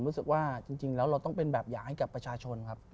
รู้สึกว่าจริงแล้วเราต้องเป็นแบบอย่างให้กับประชาชนครับ